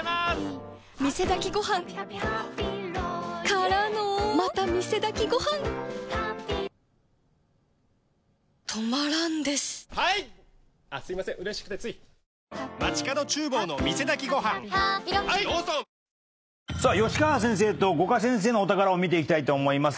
他のもよろしく吉川先生と五箇先生のお宝を見ていきたいと思います。